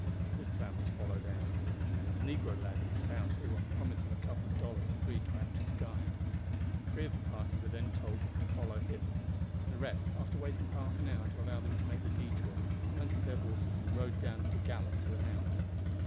This plan was followed out. A negro lad was found who, on the promise of a couple of dollars, agreed to act as guide. Three of the party were then told off to follow him, and the rest, after waiting for half an hour to allow them to make the detour, mounted their horses and rode down at a gallop to the house.